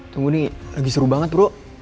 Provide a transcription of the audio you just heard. tunggu nih lagi seru banget bro